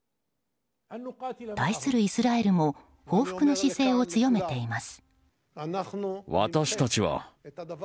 対するイスラエルも報復の姿勢を強めています。